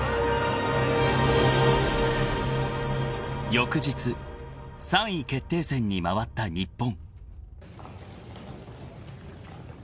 ［翌日３位決定戦に回った日本］